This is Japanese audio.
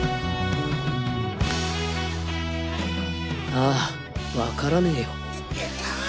ああわからねぇよ。